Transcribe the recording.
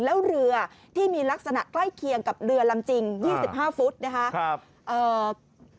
แล้วเรือที่มีลักษณะใกล้เคียงกับเรือลำจริง๒๕ฟุตนะครับ